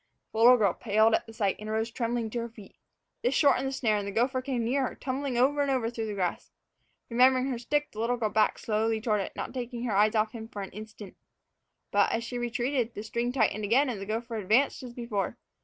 The little girl paled at the sight, and arose trembling to her feet. This shortened the snare, and the gopher came nearer, tumbling over and over through the grass. Remembering her stick, the little girl backed slowly toward it, not taking her eyes off him for an instant. But, as she retreated, the string tightened again, and the gopher advanced as before.